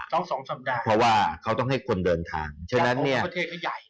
สองสองสัปดาห์เพราะว่าเขาต้องให้คนเดินทางฉะนั้นเนี่ยประเทศก็ใหญ่